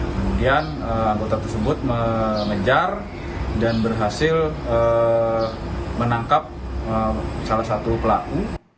kemudian anggota tersebut mengejar dan berhasil menangkap salah satu pelaku